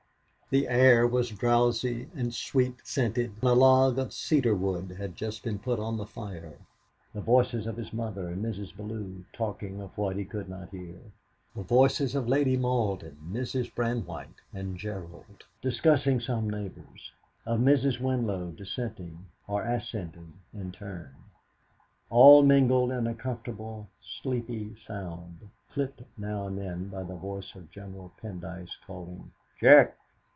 The air was drowsy and sweet scented; a log of cedarwood had just been put on the fire; the voices of his mother and Mrs. Bellew, talking of what he could not hear, the voices of Lady Malden, Mrs. Brandwhite, and Gerald, discussing some neighbours, of Mrs. Winlow dissenting or assenting in turn, all mingled in a comfortable, sleepy sound, clipped now and then by the voice of General Pendyce calling, "Check!"